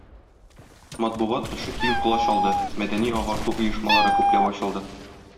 Матбугат эше киң колач алды, мәдәни-агарту оешмалары күпләп ачылды.